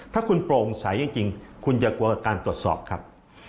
ถ้าคุณโปร่งใสจริงคุณจะกลัวการตรวจสอบครับ